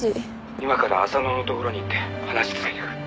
「今から浅野のところに行って話つけてくる」